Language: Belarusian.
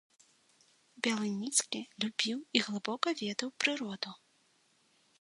Бялыніцкі любіў і глыбока ведаў прыроду.